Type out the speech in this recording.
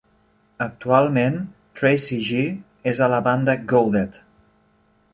Actualment, Tracy G és a la banda Goad-ed.